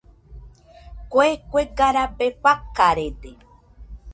Kue kuega rabe rafarede.